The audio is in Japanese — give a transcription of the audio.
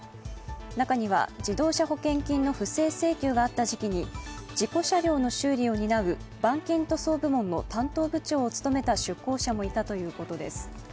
中には自動車保険金の不正請求があった時期に事故車両の修理を担う板金塗装部門の担当部長を務めた出向者もいたということです。